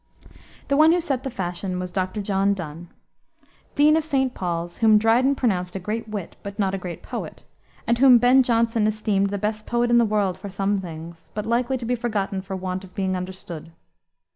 The one who set the fashion was Dr. John Donne. Dean of St. Paul's, whom Dryden pronounced a great wit, but not a great poet, and whom Ben Jonson esteemed the best poet in the world for some things, but likely to be forgotten for want of being understood.